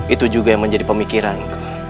itu juga yang menjadi pemikiran